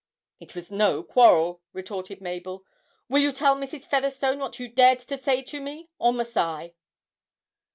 'It was no quarrel,' retorted Mabel. 'Will you tell Mrs. Featherstone what you dared to say to me, or must I?'